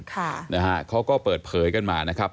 เค้าก็เปิดเผยกันมานะครับ